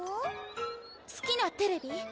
すきなテレビ？